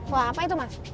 wah apa itu mas